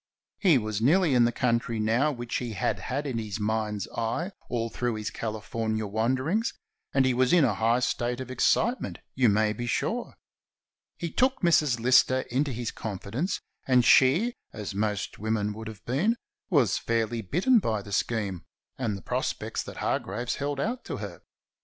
He was nearly in the country now which he had had in his mind's eye all through his California wanderings, and he was in a high state of excitement, you may be sure. He took Mrs. Lister into his confidence, and she, as most women would have been, was fairly bitten by the scheme and the prospects that Hargraves held out to her.